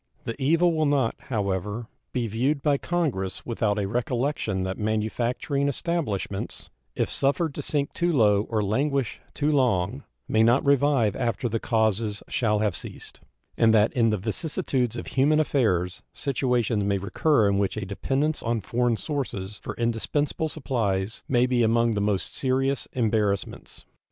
The evil will not, however, be viewed by Congress without a recollection that manufacturing establishments, if suffered to sink too low or languish too long, may not revive after the causes shall have ceased, and that in the vicissitudes of human affairs situations may recur in which a dependence on foreign sources for indispensable supplies may be among the most serious embarrassments.